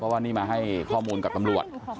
ว่านี่มาให้ข้อมูลกับตำรวจ